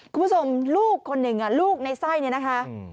คุณผู้ชมลูกคนหนึ่งลูกในไส้เนี่ยนะคะ